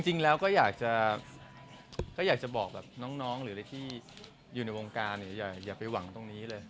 จริงแล้วก็อยากจะบอกแบบน้องหรืออะไรที่อยู่ในวงการอย่าไปหวังตรงนี้เลย